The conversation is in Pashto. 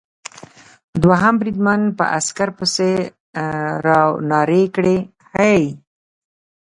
دوهم بریدمن په عسکر پسې را و نارې کړې: هې!